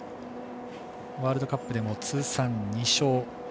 ワールドカップでも通算２勝。